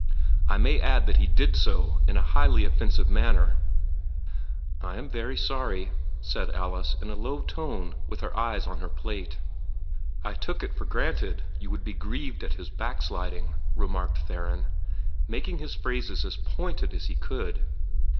I may add that he did so in a highly offensive manner." "I am very sorry," said Alice, in a low tone, and with her eyes on her plate. "I took it for granted you would be grieved at his backsliding," remarked Theron, making his phrases as pointed as he could.